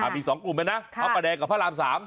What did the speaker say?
มีสองกลุ่มนะพระประแดงกับพระรามสาม